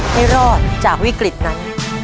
ให้รอดจากวิกฤตนั้น